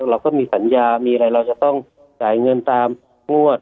เราก็มีสัญญามีอะไรเราจะต้องจ่ายเงินตามงวด